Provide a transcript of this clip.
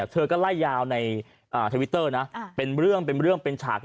เธอก็ไล่ยาวในทวิตเตอร์นะเป็นเรื่องเป็นเรื่องเป็นฉาก